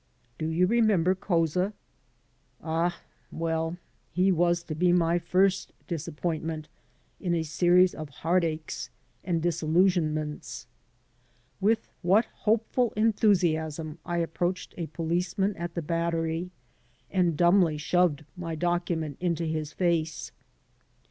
Do you remember Couza? Ah, well, he was to be my first disappointment in a series of heartaches and disillusionments. With what hopeful enthusiasm I approached a policeman at the Battery and dumbly shoved my document into his face!